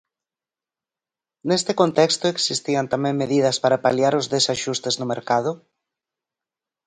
Neste contexto existían tamén medidas para paliar os desaxustes no mercado?